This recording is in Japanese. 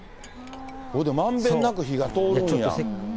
まんべんなく火が通るんや。